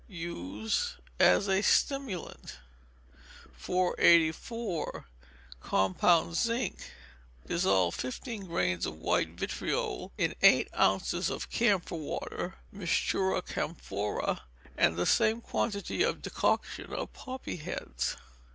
Use as a stimulant. 484. Compound Zinc. Dissolve fifteen grains of white vitriol in eight ounces of camphor water (Mistura camphoræ), and the same quantity of decoction of poppy heads.